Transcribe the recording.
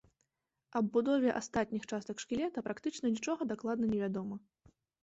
Аб будове астатніх частак шкілета практычна нічога дакладна невядома.